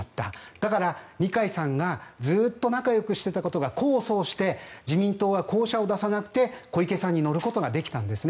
だから、二階さんがずっと仲よくしていたことが功を奏して自民党が候補者を出さなくて小池さんに乗ることができたんですね。